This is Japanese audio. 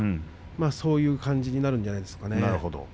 そういう感じになるんじゃないですかね。